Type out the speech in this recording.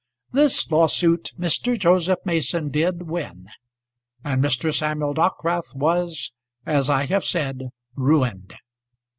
This lawsuit Mr. Joseph Mason did win, and Mr. Samuel Dockwrath was, as I have said, ruined.